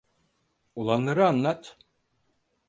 Olanları anlat.